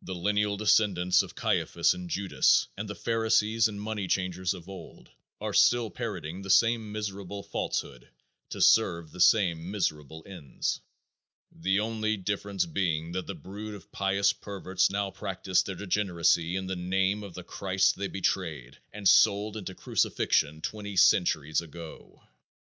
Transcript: The lineal descendants of Caiaphas and Judas and the pharisees and money changers of old are still parroting the same miserable falsehood to serve the same miserable ends, the only difference being that the brood of pious perverts now practice their degeneracy in the name of the Christ they betrayed and sold into crucifixion twenty centuries ago.